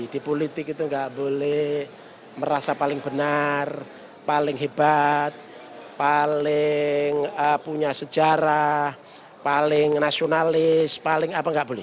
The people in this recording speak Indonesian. di politik itu nggak boleh merasa paling benar paling hebat paling punya sejarah paling nasionalis paling apa nggak boleh